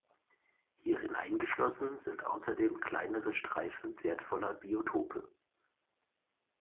Hierin eingeschlossen sind außerdem kleinere Streifen wertvoller Biotope.